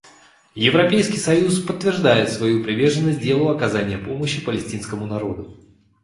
Европейский союз подтверждает свою приверженность делу оказания помощи палестинскому народу.